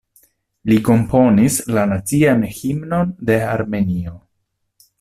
Li komponis la Nacian Himnon de Armenio.